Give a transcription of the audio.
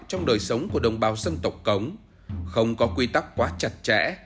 trong đời sống của đồng bào dân tộc cống không có quy tắc quá chặt chẽ